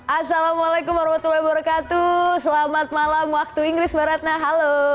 assalamualaikum wr wb selamat malam waktu inggris mbak ratna halo